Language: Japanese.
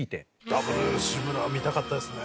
ダブル志村見たかったですね。